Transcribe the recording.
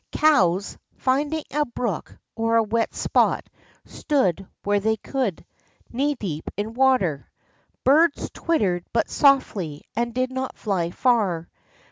Cows, finding a brook or a wet spot, stood, where they could, knee deep in water. Birds twittered but softly, and did not fly far.